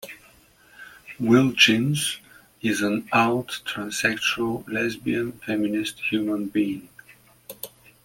Wilchins is an out transsexual lesbian feminist human being.